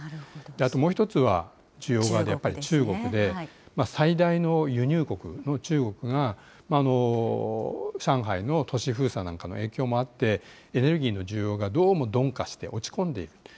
あともう一つは、中国で、最大の輸入国である中国が、上海の都市封鎖なんかの影響もあって、エネルギーの需要がどうも鈍化して、落ち込んでいると。